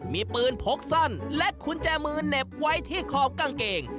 มีปืนพกสั้นและกุญแจมือเหน็บไว้ที่ขอบกางเกง